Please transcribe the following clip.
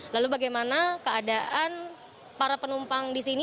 lalu bagaimana keadaan para penumpang di sini